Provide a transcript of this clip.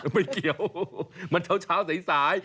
ไม่เกี่ยวมันเช้าสาย